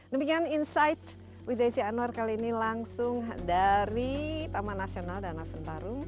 demikian insight with desi anwar kali ini langsung dari taman nasional danau sentarbaru